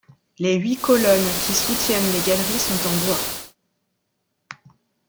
Les huit colonnes qui soutiennent les galeries sont en bois.